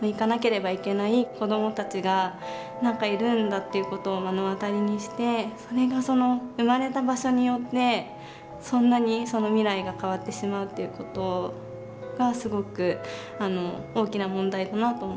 っていうことを目の当たりにしてそれが生まれた場所によってそんなに未来が変わってしまうっていうことがすごく大きな問題だなと思って。